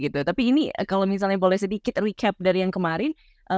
tapi ini kalau misalnya boleh sedikit recap dari yang kemarin